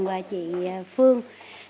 và chị phương